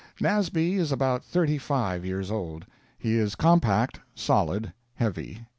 Nasby is about thirty five years old. He is compact, solid, heavy.